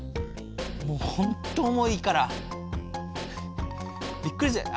もうほんと重いからびっくりする。